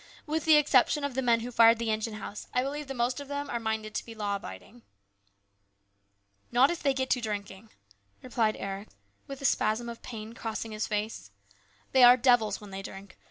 With the exception of the men who fired the engine house, I believe the most of them are minded to be law abiding." " Not if they get to drinking," replied Eric with a spasm of pain crossing his face. " They are devils when they drink.